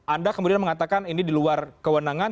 anda kemudian mengatakan ini di luar kewenangan